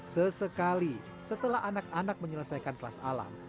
sesekali setelah anak anak menyelesaikan kelas alam